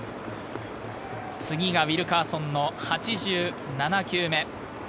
次がウィルカーソンの８７球目。